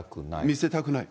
見せたくない。